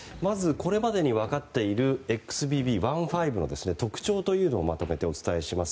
これまでに分かっているＸＢＢ．１．５の特徴というのをまとめてお伝えします。